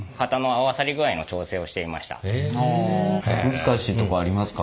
難しいとこありますか？